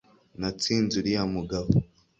natsinze uriya mugabo